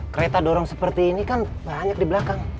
kereta dorong seperti ini kan banyak di belakang